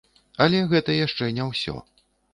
Але гэта яшчэ не ўсё.